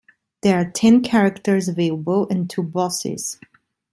There are ten characters available, and two bosses.